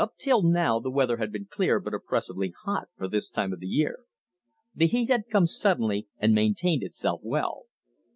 Up till now the weather had been clear but oppressively hot for this time of year. The heat had come suddenly and maintained itself well.